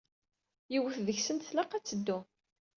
Yiwet deg-sent tlaq ad teddu.